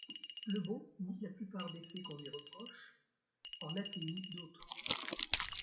Le Bon nie la plupart des faits qu'on lui reproche, en atténue d'autres.